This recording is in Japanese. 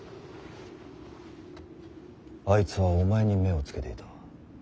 あいつはお前に目をつけていた。